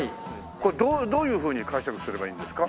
これどういうふうに解釈すればいいんですか？